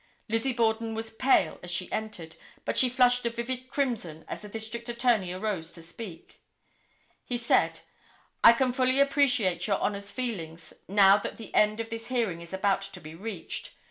Lizzie Borden was pale as she entered, but she flushed a vivid crimson as the District Attorney arose to speak. He said: "I can fully appreciate Your Honor's feelings, now that the end of this hearing is about to be reached.